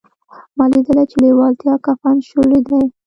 ما لیدلي چې لېوالتیا کفن شلولی دی